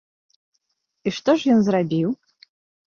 І што ж ён зрабіў?